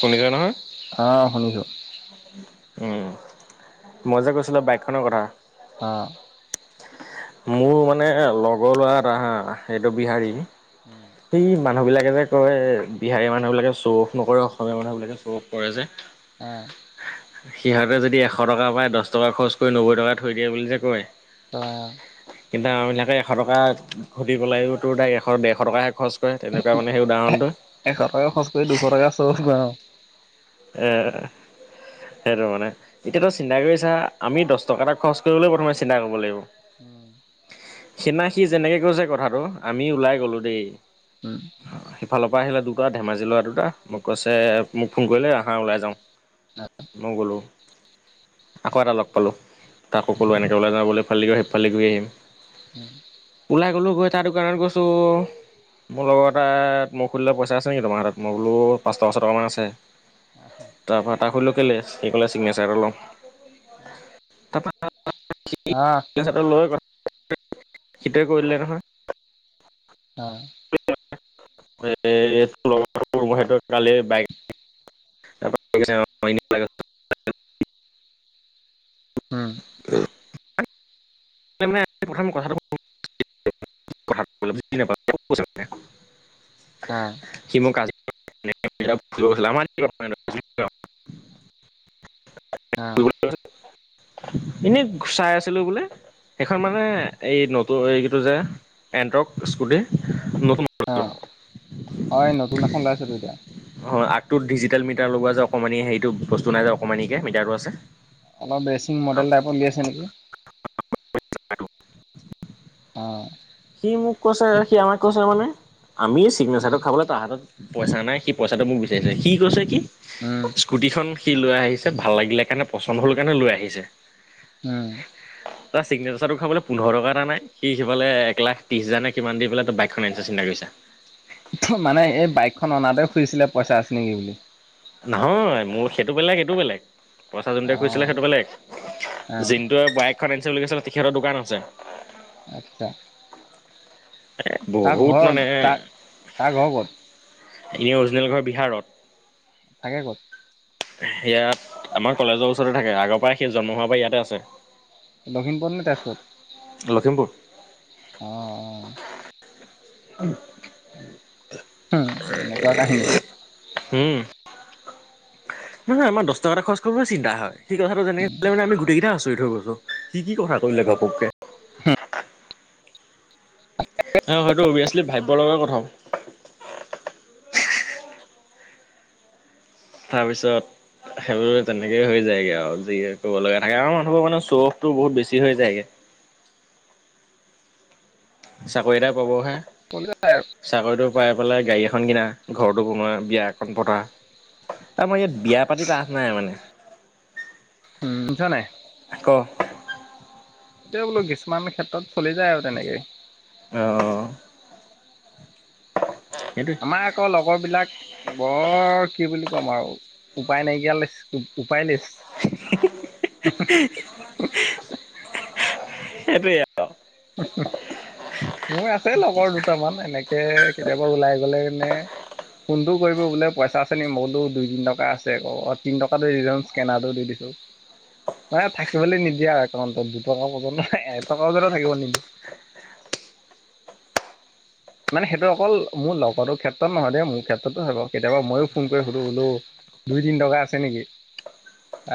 শুনিছা নহয় অহ শুনিছো উম মই যে কৈছিলো বাইকখনৰ কথা অ মোৰ মানে লগৰ ল'ৰা এটা হা এইটো বিহাৰী উম সেই মানুহ বিলাকে যে কয় বিহাৰী মানুহ বিলাকে শ্ব অফ নকৰে অসমীয়া মানুহ বিলাকে শ্বঅফ কৰে যে অ সিহঁতে যদি এশ টকা পায় দহ টকা খৰচ কৰি নব্বৈ টকা থৈ দিয়ে বুলি যে কয় কয় অ কিন্তু আমি বিলাকে এশ টকা ঘটি পেলায়ো তোৰ তাই এশ ডেৰশ টকাহে খৰচ কৰে তেনেকুৱা মানে সেই উদাহৰণটো এশ টকা খৰচ কৰি দুশ টকা শ্ব' অফ্ কৰে অ এ সেইটো মানে এতিয়াতো চিন্তা কৰি ছা, আমি দহ টকা এটা খৰচ কৰিবলৈ প্ৰথমে চিন্তা কৰিব লাগিব উম সেইদিনা সি যেনেকে কৈছে কথাটো আমি ওলাই গলো দেই সিফালৰ পৰা আহিলে দুটা ধেমাজি লৰা দুটা মোক কৈছে মোক ফোন কৰিলে আহা ওলাই যাওঁ [unintelligible] মই গ'লোঁ আকৌ এটা লগ পালোঁ তাকো এনেকে ওলাই যাও বুলি ফালি আহি আহিম ফালি কৰি আহিম উম ওলাই গ'লোঁ গৈ তাৰ দোকানত গৈছোঁ মোৰ লগৰ এটাই মোক সুধিলে পইচা আছে নেকি তোমাৰ হাতত মই বোলো পাঁচটকা ছয় টকামান আছে আহ তাৰপৰা তাক সুধিলো কেলে সি ক'লে চিগনেচাৰ এটা লও তাৰ পৰা [unintelligible] সেইটোৱে কৰি দিলে নহয় অ এ এটো লগৰ সেইটো কালি বাইক [unintelligible] তাৰ মানে প্ৰথম কথাটো [unintelligible] [unintelligible] অ সি মোক আজি [unintelligible] অ এনেই চাই আছিলো বোলে সেইখন মানে এই নতুন এইটো যে এণ্টক স্কুটি নতুন নতুন অ', এই নতুন এখন ওলাইছেতো এতিয়া। হয় আগ টো ডিজিটেল মিটাৰ লগোৱা যায় অকণমানি সেইটো বস্তু নাই যে অকমানিকে মিটাৰটো আছে অলপ ৰেচিং মডেল টাইপত ওলিয়াই ছে নেকি [unintelligible] অ সি মোক কৈছে সি আমাক কৈছে মানে আমি এ উম, চিগনেচাৰটো খাবলৈ মানে। তাহাতত পইচা নাই সি পইচাটো মোক বিচাৰিছে স কৈছে কি। উম। স্কুটিখন সি লৈ আহিছে ভাল লাগিলে কাৰণে পচন্দ হ'ল কাৰণে লৈ আহিছে। উম। তাৰ চিগনেচাৰ টো খাবলৈ পোন্ধৰ টকা এটা নাই সি সিফালে। এক লাখ তিছ হাজাৰে কিমান দি পেলাই ত বাইকখন আনিছে চিন্তা কৰি চা? মানে এই বাইকখন অনাপাই শুইছিলে পইচা আছে নেকি বুলি? নহয় মোৰ সেইটো বেলেগ এইটো বেলেগ। পইচা যোনটোৱে খোজিছিলে অ', সেইটো বেলেগ অ', যোনটোৱে বাইক। ফাইনেন্ঞ্চিয়েল তেখেতৰ দোকান আছে। আচ্ছা এ তাৰ বহুত ঘৰ মানে তাৰ তাৰ ঘৰ ক'ত? এনে অৰিজিনেল ঘৰ বিহাৰত। থাকে ক'ত? ইয়াত আমাৰ কলেজৰ ওচৰতে থাকে আগৰ পৰাই সেই জন্ম হোৱাৰ পৰা ইয়াতে আছে। লখিমপুৰত নে তেজপত? লখিমপুৰ অঁ। [unintelligible] উম এনেকুৱা কাহিনী। উম নহ নহয় আমাৰ দহ টকা এটা খৰচ কৰিবলৈ চিন্তা হয়। সেই কথাটো যেনেক মানে আমি গোটেইকেইটা আছৰিত হৈ গৈছো সী কি কথা কৰিলে উম, ঘপকে। [unintelligible] হয় হয়েইটো অভিয়াচলি ভাবিব লগে কথা। তাৰপিছত। সেইবোৰ তেনেকেই হৈ যায়গে আৰু যিয়ে ক'ব লগা থাকে আৰু মানুহবোৰ মানে চখতো বহুত বেছি হৈ যায়গে। চাকৰি এটা পাবহে। কলাই আৰু। চাকৰিটো পাই পেলাই গাড়ী এখন কিনা ঘৰটো বনোৱা বিয়াখন পতা আমাৰ ইয়াত। বিয়া পাতি লাভ নাই মানে। উম শুনিছ নাই? আ ক। এতিয়া বোলো কিছুমান ক্ষেত্ৰত চলি যায় আৰু তেনেকেই। অঁ। সেইটোয়ে। আমাৰ আকৌ লগৰবিলাক। বৰ কি বুলি ক'ম আৰু উপায় নাইকিয়া লৈ উপায় লেছ। [unintelligible] সেইটোৱে আও। উ [unintelligible] মোৰ আছে লগৰ দুটামান এনেকে কেতিয়াবা ওলাই গ'লে মনে। ফোনটো কৰিব বোলে পইচা আছে নেকি মোলো দুই তিন টকা আছে আ তিন টকাটো দি দে চুন স্কেনাৰটো দিছো। মানে থাকিবলৈ নিদিয়া আও একাউন্টত দুটকা ন এ টকা ব থাকিব নেকি। [unintelligible] মানে সেইটো অকল মোৰ লগৰটো ক্ষেত্ৰত নহয় দেই মোৰ ক্ষেত্ৰতো হয় কেতিয়াবা মইো ফোন কৰি সুধো বোলো। দুই তিন টকা আছে নেকি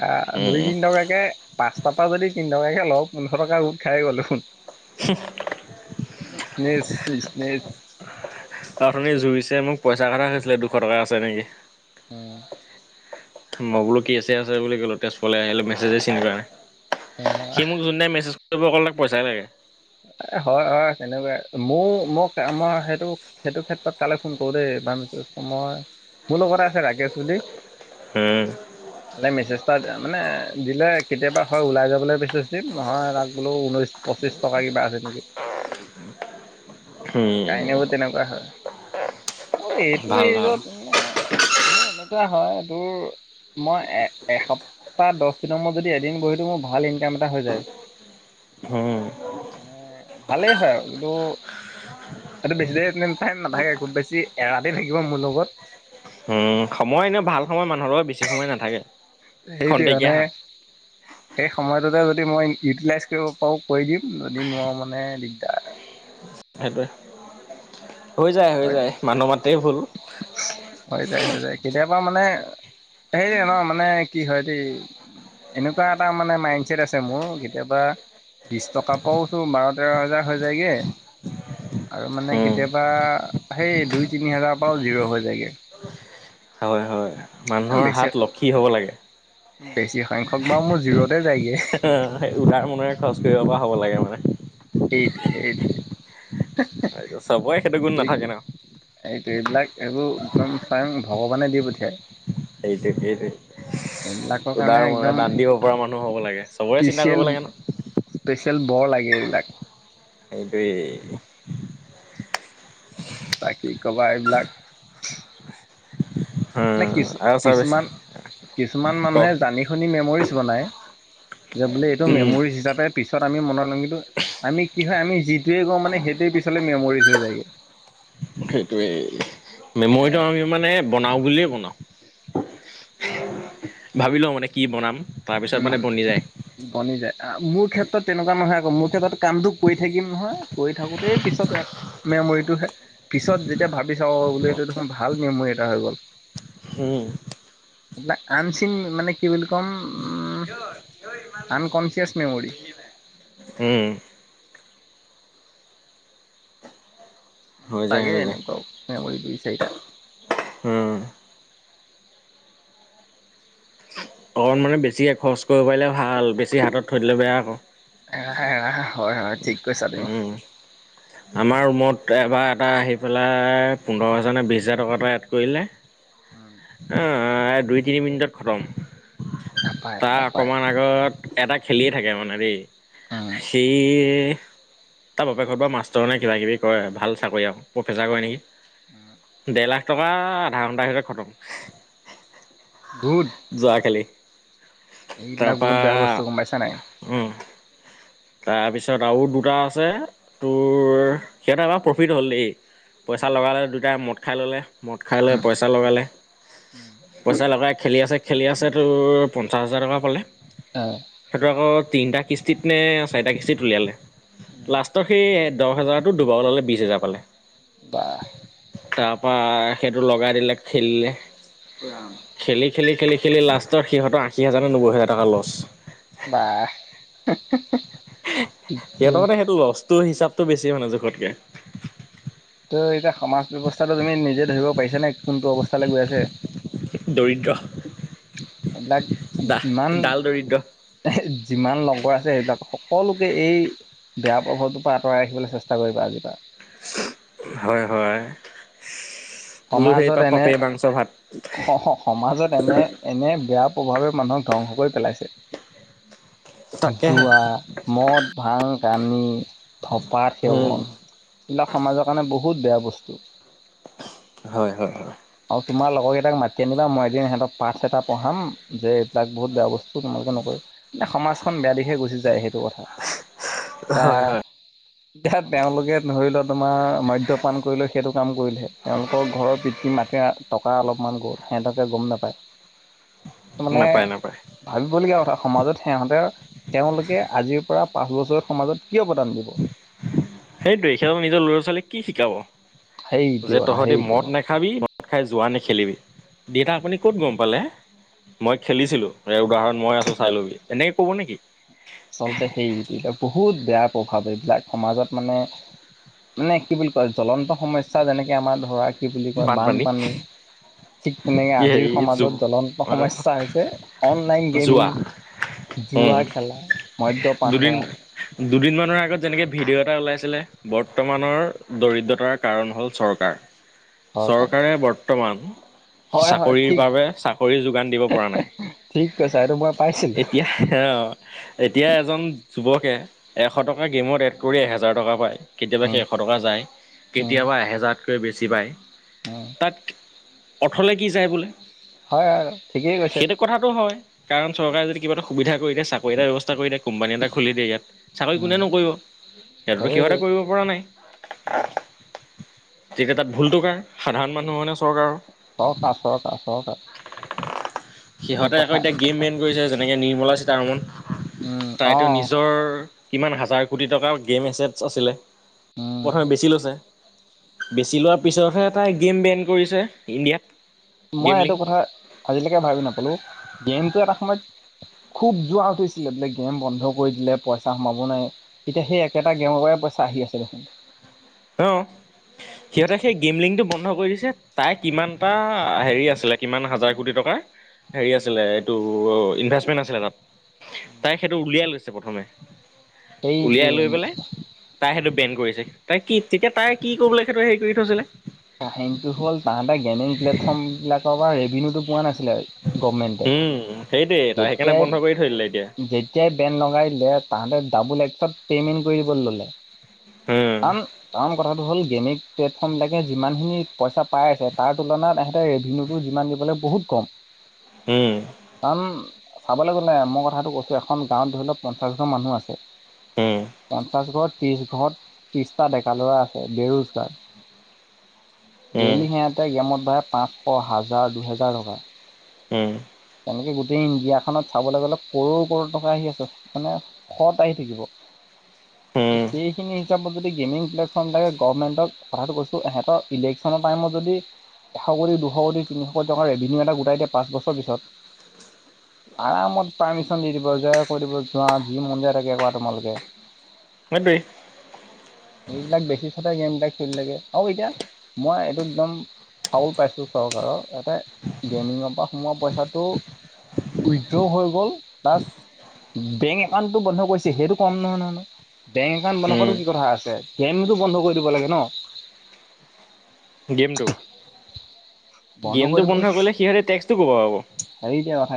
আহ উম দুই উম তিন টকাকে। পাঁচতাপা যদি তিনি টকাকে লওঁ পোন্ধৰ টকা গোট খাই গল চুন। [unintelligible] বিজনেচ বিছনেচ অ তুনি জুইছে মোক পইচা কথা হৈছিলে দুশ টকা আছে নেকি? উম মই বোলো কি আছে আছে বুলি ক'লো, তেজপুৰ আহিলো মেছেজে চিন কাৰা। এ সি মোক যোন দিনাই মেছেজ কৰিব অকল তাক পইচাই লাগে। এ হয় হয়, তেনেকুৱাই মোৰ মোক আমাৰ সেইটো সেইটো ক্ষেত্ৰত কালে ফোন কৰো দেই ব মই মোৰ লগতে আছে ৰাকেশ বুলি। উম তালে মেছেজ এটা মানে দিলে কেতিয়াবা হয় ওলাই যাবলৈ মেছেজ দিম নহয় তাক বোলো ঊনৈশ পঁচিছ টকা কিবা আছে নেকি কাহিনী উম বোৰ তেনেকুৱা হয়। অঁ ভাল এইটো ভাল এইজত মানে মোৰ এনেকুৱা হয়, তোৰ মই এ এসপ্তাহ দছ দিনৰ মোৰত যদি এদিন বহি থাকোঁ, মোৰ ভাল ইনকাম এটা হৈ যায়। অঁহ মানে ভালেই হয় আৰু কিন্ত এইটো বেছি দেৰি তে নাথাকে খুব বেছি এৰাতি থাকিব মোৰ লগত। উম, সময় এনে ভাল সময় মানুহৰ লগত বেছি সময় নাথাকে। সেইটোৱে খন্তেকীয়া মানে। হয় সেই সময়টোতে যদি মই ইউটিলাইজ কৰিব পাৰোঁ কৰি দিম, যদি নোৱাৰোঁ মানে দিগদাৰ। সেইটোৱে, হৈ যায় হৈ যায় মানুহ মাতেই ভুল। হৈ যায় হৈ যায়, কেতিয়াবা মানে হেৰি ন মানে কি হয় দেই। এনেকুৱা এটা মানে মাইণ্ডচছেট আছে, মোৰ কেতিয়াবা। বিছ টকাকেও বাৰ তেৰ হাজাৰ হৈ যায়গে। আৰু মানে উম কেতিয়াবা সেই দুই তিনি হাজাৰৰ পৰাও জিৰ' হৈ যায়গে। হয় হয় মানুহৰ বেছি হাত লক্ষী হ'ব লাগে। বেছি সংখ্যক বাৰু মোৰ জিৰ'তে যায়গে। অঁ, সেই উদাৰ মনেৰে খৰচ কৰিব পৰা হ'ব লাগে মানে। সেইটোৱেই সেইটোৱেই। সেইটো, চবেৰে সেইটো গুণ নাথাকে ন। সেইটো এইবিলাক এইবোৰ একদম টাইম ভগৱানে দি পঠিয়ায়। এইটোৱে এইটোৱে। এইবিলাকৰ কাৰণে উদাৰ মন একদম দান দিব পৰা মানুহ হ'ব লাগে, চবৰে চিন্তা স্পেচিয়েল কৰিব লাগে ন। স্পেচিয়েল বৰ লাগে এইবিলাক। সেইটোৱেই বাকী কবাৰ এইবিলাক। নে কিছু আৰু চাৰ্ভিচ কিছুমান কিছুমান ক মানুহে জানি শুনি মেমৰিজ বনাই। যে বোলে এইটো উম মেমৰিজ হিচাপে। পিছত আমি মন লওঁ কিন্তু আমি কি হয় আমি যিটোৱে কওঁ মানে সেইটোৱে পিছলে মেম'ৰিজ হৈ যায়গে। সেইটোৱে মেমৰিটো এ আমি মানে বনাও বুলিয়ে বনাও। ভাবি লও মানে কি বনাম, তাৰপিছত উম মানে বনি যায়। বনি যায় অঁ, মোৰ ক্ষেত্ৰত তেনেকুৱা নহয় আকৌ মোৰ ক্ষেত্ৰত কামটো কৰি থাকিম নহয় কৰি থাকোতেই পিছত মেমৰিতটো পিছত যেতিয়া ভাবি চাওঁ বোলে স এইটোৱে দেখোন ভাল মেমৰি এটা হৈ গ'ল। হুম না আনচিন মানে কি বুলি কম? [unintelligible] Unconscious memory. উম। হৈ যায় থাকে হৈ যায় এনেকুৱাও মেমৰী দুই-চাৰিটা। হুম। অকণ মানে বেছিয়ে খৰচ কৰিব পাৰিলে ভাল, বেছি হাতত থৈ দিলে বেয়া আকৌ। এৰা এৰা, হয় হয়, ঠিক কৈছা তুমি। উম আমাৰ ৰুমত এবাৰ এটা আহি পেলাই পোন্ধৰ হেজাৰ নে বিছ হেজাৰ টকা এটা এড কৰিলে। উম। আহ, দুই-তিনি মিনিটতে খতম। নাপায় তাৰ নাপায় অকমান আগত এটা খেলিয়ে থাকে মানে দেই, উম সি সি তাৰ বাপেকৰ পৰা মাষ্টৰ নে কিবা-কিবি কৰে, ভাল চাকৰি আৰু। প্ৰফেচাৰ কৰে নেকি? উম ডেৰ লাখ টকা আধা ঘণ্টাৰ ভিতৰত খতম। বহুত যোৱাকালি তাৰ এইবিলাক বহুত বেয়া বস্তু গম পাইছা নাই পৰা উম। তাৰপিছত আও দুটা আছে, তোৰ সিহঁতে বাৰু প্ৰফিট হ'ল দেই। পইচা উম লগালে দুটাই মদ খাই ল'লে। মদ খাই লৈ উম পইচা লগালে। উম। পইচা লগাই খেলি আছে, খেলি আছে, তোৰ পঞ্চাশ হাজাৰ টকা পালে। অঁ। সেইটো আকৌ তিনটা কিস্তিত নে? চাৰিটা কিস্তিত উলিয়ালে। উম লাষ্টৰ সেই দহ হেজাৰটো দুবাৰ ওলালে, বিছ হেজাৰ পালে। বাহ। তাৰপা সেইটো লগাই দিলে, খেলিলে। খেলি, খেলি, খেলি, খেলি লাষ্টত সিহঁতৰ আশী হাজাৰ নে নব্বৈ হেজাৰ টকা লছ। ৱাহ হে, হে সিহঁতৰ মানে সেইটো লছটো হিচাপটো বেছি, মানে জোখতকে। তোৰ এতিয়া সমাজ ব্যৱস্থাটো তুমি নিজে ধৰিব পাৰিছানে, কোনটো অৱস্থালৈ গৈ আছে? দৰিদ্ৰ এইবিলাক দাহ ইমান ডাল দৰিদ্ৰ যিমান লগৰ আছে, সেইবিলাক সকলোকে এই বেয়া প্ৰভাৱটোৰ পৰা আঁতৰাই ৰাখিবলৈ চেষ্টা কৰিবা আজিৰ পৰা। হয় হয়, লোভেই পাপ, পাপেই মাংস-ভাত। অঁ, সমাজত এনে এনে বেয়া প্ৰভাৱে মানুহক ধ্বংস কৰি পেলাইছে। তাকেহে জুৱা, মদ, ভাং, কানি ধঁপাত উম সেৱন--এইবিলাক সমাজৰ কাৰণে বহুত বেয়া বস্তু। হয়, হয়, হয়। আৰু তোমাৰ লগৰকেইটাক মাতি আনিবা, মই এদিন সিহঁতক পাঠ এটা পঢ়াম যে এইবিলাক বহুত বেয়া বস্তু তোমালোকে এ, সমাজখন বেয়া দিশে গুচি যায়, সেইটো কথা। তা এতিয়া তেওঁলোকে ধৰি ল, তোমা মদ্যপান কৰি লৈ সেইটো কাম কৰিলে। তেওঁলোকৰ ঘৰৰ পিতৃ মাকে টকা অলপমান গ'ল, সিহঁতকে গম নাপায়। ত' মানে নাপায় নাপায় ভাবিবলগীয়া কথা, সমাজত সিহঁতে তেওঁলোকে আজিৰ পৰা পাঁচ বছৰত সমাজত কি অৱদান দিব? সেইটোয়ে, সিহঁত নিজৰ লৰা-ছোৱালীক কি শিকাব? সেইটোৱে যে, কথা তহঁতি সেইটোৱে মদ নাখাবি? মদ খাই জুৱা নেখেলিবি। দেতা, আপুনি ক'ত গম পালে? মই খেলিছিলোঁ--উদাহৰণ মই আছো, চাই লবি। এনেকে ক'ব নেকি? আচলতে সেইবিলাক বহুত বেয়া প্ৰভাৱ, এইবিলাক সমাজত মানে মানে কি বুলি কয়, জ্বলন্ত সমস্যা যেনেকে আমাৰ ধৰা--কি বুলি কয়? বানপানী, ঠিক তেনেকে, কি আজিৰ হেৰি জু সমাজত জ্বলন্ত সমস্যা হৈছে অনলাইন গেমিং। যোৱা উম জোৱা খেলা, মদ্যপান দুদিন। কৰা দুদিন মানৰ আগত যেনেকে ভিডিঅ' এটা ওলাইছিলে বৰ্তমানৰ দৰিদ্ৰতাৰ কাৰণ হ'ল চৰকাৰ, হয় পাই চৰকাৰে বৰ্তমান, হয় হয় চাকৰিৰ ঠিক বাবে চাকৰি যোগান দিব পৰা নাই! ঠিক কৈছা এইটো মই পাইছিলো এতিয়া আহ‌ এতিয়া এজন যুৱকে এশ টকা গেমত এড কৰি এহেজাৰ টকা পায়! কেতিয়াবা উম সেই এশ টকা যায় উম কেতিয়াবা এহেজাৰতকৈ বেছি পায়। উম তাত অথলে কি যায় বোলে? হয়, হয় ঠিকেই কৈছে। কথাটো সেইটো হয় কাৰণ চৰকাৰে যদি কিবা এটা সুবিধা কৰি দিয় চাকৰি এটা ব্যৱস্থা কৰি দিয়ে কোম্পানী এটা খুলি দিয়ে ইয়াত চাকৰি উম কোনে নকৰিব ইহঁতো চবেই সিহঁতে কৰি কৰিব। পৰা নাই তেতিয়া গাত ভুলটো কাৰ সাধাৰণ মানুহ মানে চৰকাৰৰ। চৰকাৰ চৰকাৰ চৰকাৰ এইটো সিহঁতে আকৌ কথাই এতিয়া গেম মেইন কৰিছে যেনেকে নিৰ্মলা সীতাৰমন। উম অ তাইতো নিজৰ কিমান হাজাৰ কোটি টকাৰ গেম এছেটছ আছিলে উম প্ৰথমে বেছি লৈছে। বেচি লোৱাৰ পিছতহে তাই গেম বেণ্ড কৰিছে ইণ্ডিয়াত। মই গেমলিং এইটো কথা আজিলৈকে ভাবি নাপালো গেমতটো এটা সময়ত‌ খুব জোৱা উঠিছিলে বোলে গেম বন্ধ কৰি দিলে পইচা সোমাব নাই। এতিয়া সেই একেটা গেমৰ পৰা পইচা আহি আছে দেখোন। অ সিহঁতে সেই গেম লিংকটো বন্ধ কৰি দিছে তাৰে কিমান এটা হেৰি আছিলে কিমান হাজাৰ কোটি টকাৰ হেৰি আছিলে এইটো ইনভেষ্টমেণ্ট আছিলে তাত তাই সেইটো সেইটো উলিয়াই লৈছে প্ৰথমে সেই উলিয়াই লৈ পেলাই তাই সেইটো বেন্ড কৰিছে। তাই কি তেতিয়া তাই কি কৰিবলৈ সেইটো হেৰি কৰি থৈছিলে? কাহিনীটো হ'ল তাহাঁতে গেনেইন প্লেটফৰ্ম বিলাকৰ পৰা ৰেভিনউটো পোৱা নাছিলে আৰু গভৰ্ণমেণ্ট উম সেইটোৱে তাই সেইকাৰণে বন্ধ কৰি থৈ দিলে এতিয়া যেতিয়াই যেতিয়াই বেন্ড লগাই দিলে তাহাঁতে ডাবুল এক্সত পেমেণ্ট কৰি দিবলৈ ললে উম কাৰণ কাৰণ কথাটো হ'ল গেমিং প্লেটফৰ্ম বিলাকে যিমানখিনি পইচা পাই আছে তাৰ তুলনাত সহঁতে ৰেভিনউটো যিমান দিবলৈ বহুত কম। উম। কাৰণ চাবলৈ গ'লে মই কথাটো কৈছো এখন গাঁৱত ধৰি লওক পঞ্চাচ হাজাৰ মানুহ আছে। উম। পঞ্চাশ ঘৰত ত্ৰিশ ঘৰত ত্ৰিশটা ডেকা ল'ৰা আছে বেৰোজগাৰ। উম ডেইলি সিহতে গেমত বাঢ়ে পাঁচশ হাজাৰ দুহোজাৰ টকা। উম। তেনেকে গোটেই ইণ্ডিয়াখনত চাবলৈ গ'লে কৰ কৰ টকা আহি আছে মানে। শত আহি থাকিব। হম। সেইখিনি হিচাপত যদি গেমিং প্লেকফৰ্ম থাকে গভৰ্মেন্টক কথাটো কৈছোঁ সিহঁতৰ ইলেকশ্যনৰ টাইমত যদি এশকোটি দুশকোটি তিনিশ কটোটি ৰেভিনিও গোটাই দিয়ে পাঁচ বছৰৰ পিছত। [unintelligible] আৰামত পাৰ্মিচন দি দিব যে কৈ দিব যোৱা যি মন যায় তাকে কৰা তোমালোকে। সেইটোৱেই। এইবিলাক বেছি চতে গেম বিলাক খেলি লেগে আৰু এতিয়া মই এইটো একদম ফাউল পাইছোঁ চৰকাৰৰ ইয়াতে গেমিঙৰ পৰা সোমোৱা পইচাত ত' উইড্ৰ' হৈ গ'ল প্লাছ বেংক একাউণ্টটো বন্ধ কৰিছে সেইটো কম নহয় নহয় নয় বেংক একাউণ্ট বন্ধ উম কৰা কি কথা আছে ফেনো বন্ধ কৰি দিব লাগে ন গেমটো কৰি গেমতটো দিব লাগে বন্ধ কৰিলে সিহঁতে টেক্সটো কৰ পৰা পাব হেৰি যে থা